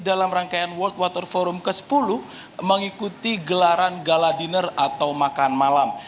dalam rangkaian wwf ke sepuluh mengikuti gelaran gala diner atau makan malam